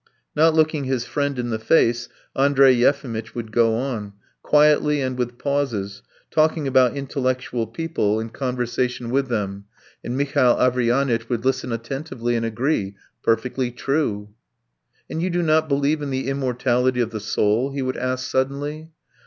Not looking his friend in the face, Andrey Yefimitch would go on, quietly and with pauses, talking about intellectual people and conversation with them, and Mihail Averyanitch would listen attentively and agree: "Perfectly true." "And you do not believe in the immortality of the soul?" he would ask suddenly.